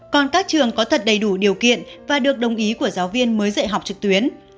còn các trường có thật đầy đủ điều kiện và được đồng ý của giáo viên mới dạy học trực tuyến